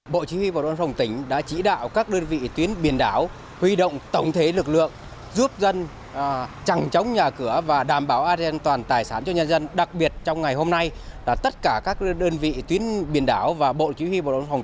bộ chỉ huy bộ đội biên phòng tỉnh quảng nam cũng đã chỉ đạo các đơn vị trực thuộc phối hợp với chính quyền địa phương